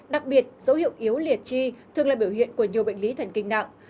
đặc biệt dấu hiệu yếu liệt chi thường là biểu hiện của nhiều bệnh lý thần kinh nặng